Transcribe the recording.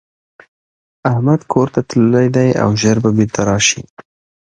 احمدکورته تللی دی او ژر به بيرته راشي.